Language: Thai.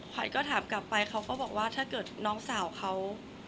ขวัญก็ถามกลับไปเขาก็บอกว่าถ้าเกิดน้องสาวเขา